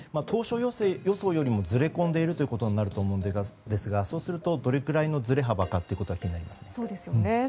当初予想よりもずれ込んでいることになると思うんですがそうすると、どれくらいのずれ幅かが気になりますね。